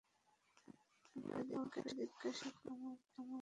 আমি অবাক হয়ে জিজ্ঞাসা করি - আমার তো অনেক গুলো বিয় হয়েছে।